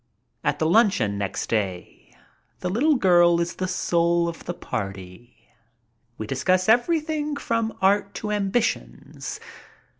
At the luncheon next day the little girl is the soul of the party. We discuss everything from art to ambitions.